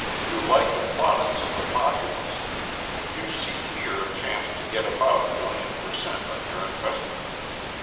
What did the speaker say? You like the plaudits of the populace. You see here a chance to get about a million per cent on your investment.